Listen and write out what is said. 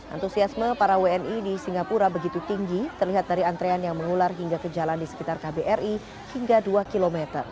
antusiasme para wni di singapura begitu tinggi terlihat dari antrean yang mengular hingga ke jalan di sekitar kbri hingga dua km